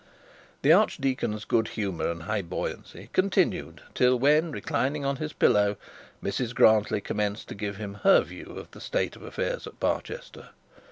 The archdeacon's good humour and high buoyancy continued till, when reclining on his pillow, Mrs Grantly commenced to give him her view of the state of affairs in Barchester.